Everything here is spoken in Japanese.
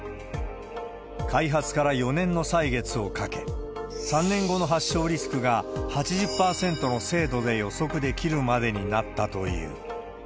開発から４年の歳月をかけ、３年後の発症リスクが８０％の精度で予測できるまでになったという。